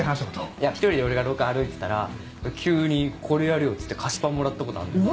いや１人で俺が廊下歩いてたら急に「これやるよ」っつって菓子パンもらったことあんのよ。